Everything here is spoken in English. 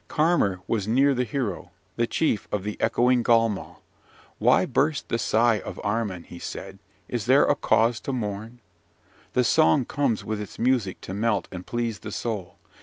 Carmor was near the hero, the chief of the echoing Galmal. Why burst the sigh of Armin? he said. Is there a cause to mourn? The song comes with its music to melt and please the soul.